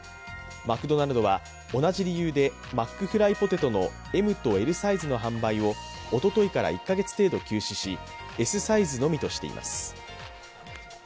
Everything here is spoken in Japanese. マクドナルドは同じ理由でマックフライポテトのＭとＬサイズの販売をおとといから１カ月程度休止しＳサイズのみとしています。